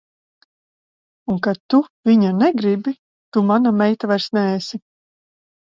Un kad tu viņa negribi, tu mana meita vairs neesi.